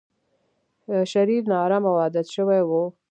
شرير، نا ارامه او عادت شوی و.